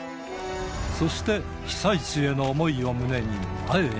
そして被災地への想いを胸に前へ。